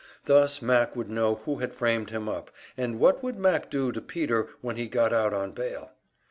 Thus Mac would know who had framed him up; and what would Mac do to Peter when he got out on bail?